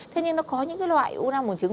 thế nhưng nó có những loại u năng bùng trứng